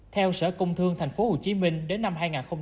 theo sở công thương tp hcm đến năm hai nghìn hai mươi